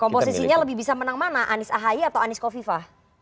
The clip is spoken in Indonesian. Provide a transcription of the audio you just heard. komposisinya lebih bisa menang mana anies ahy atau anies kofifa